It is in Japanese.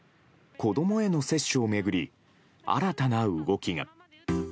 子どもへの接種を巡り、新たな動きが。